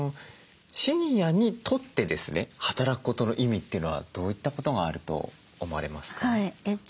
シニアにとってですね「働くことの意味」というのはどういったことがあると思われますか？